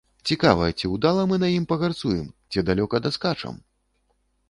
Цікава, ці ўдала мы на ім пагарцуем, ці далёка даскачам?